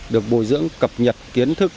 được bồi dưỡng cập nhật kiến thức